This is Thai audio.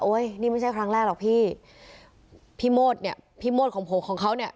นี่ไม่ใช่ครั้งแรกหรอกพี่พี่โมดเนี่ยพี่โมดของผมของเขาเนี่ย